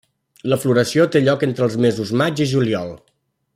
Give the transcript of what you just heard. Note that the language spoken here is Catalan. La floració té lloc entre els mesos maig i juliol.